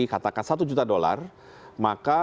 katakan satu juta dolar maka